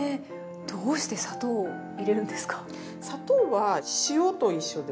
どうして砂糖を入れるんですか？